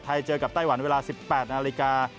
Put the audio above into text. เจอกับไต้หวันเวลา๑๘นาฬิกา